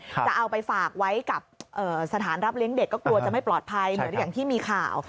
จะเอาไปฝากไว้กับสถานรับเลี้ยงเด็กก็กลัวจะไม่ปลอดภัยเหมือนอย่างที่มีข่าว